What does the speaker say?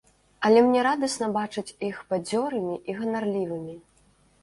Але мне радасна бачыць іх бадзёрымі і ганарлівымі.